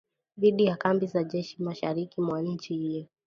dhidi ya kambi za jeshi mashariki mwa nchi hiyo